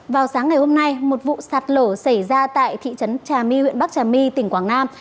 vào sáng ngày hôm nay một vụ sạt lở xảy ra tại thị trấn trà my huyện bắc trà my tỉnh quảng nam